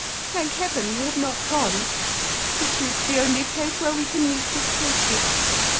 " Thank Heaven you have not gone! This is the only place where we can meet with safety.